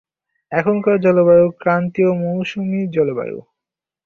এখানকার জলবায়ু ক্রান্তীয় মৌসুমি জলবায়ু।